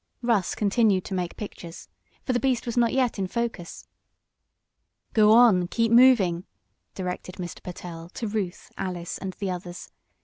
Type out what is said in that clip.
Russ continued to make pictures, for the beast was not yet in focus. "Go on! Keep moving!" directed Mr. Pertell to Ruth, Alice and the others.